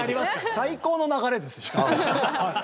最高の流れですか？